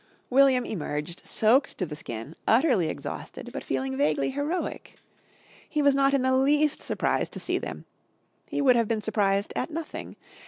William emerged soaked to the skin, utterly exhausted, but feeling vaguely heroic. He was not in the least surprised to see them. He would have been surprised at nothing.